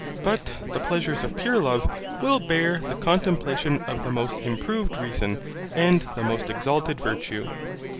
But the pleasures of pure love will bear the contemplation of the most improved reason, and the most exalted virtue.